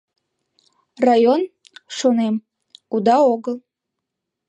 Район, шонем, уда огыл.